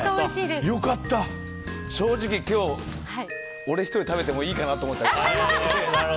正直今日、俺１人食べてもいいかなと思いました。